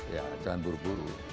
ya jangan buru buru